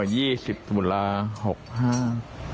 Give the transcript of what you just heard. ยี่สิบตุลาหกห้า